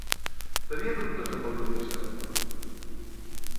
Tenia deutes amb el lloguer, sembla.